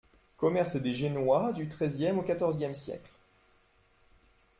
- Commerce des Génois du XIIIe au XIVe siècle.